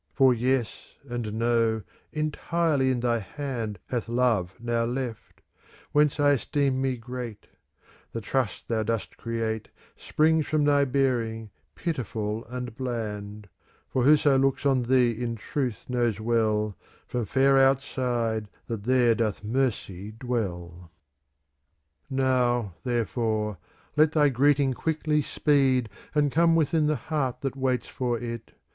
For Yes and No entirely in thy hand Hath Love now left; whence I esteem me great : The trust thou dost create Springs from thy bearing, pitiful and bland ;* For whoso looks on thee in truth knows well From fair outside that there doth mercy dwell. Now, therefore, let thy greeting quickly speed, And come within the heart that waits for it.